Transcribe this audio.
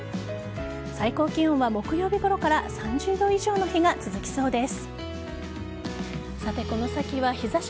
最高気温は木曜日ごろから３０度以上の日が続きそうです。